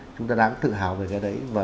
chúng ta đáng tự hào về cái đấy